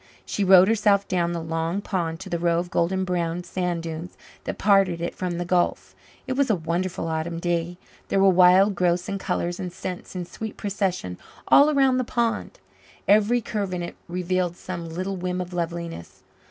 She rowed herself down the long pond to the row of golden brown sand dunes that parted it from the gulf. It was a wonderful autumn day. There were wild growths and colours and scents in sweet procession all around the pond. Every curve in it revealed some little whim of loveliness.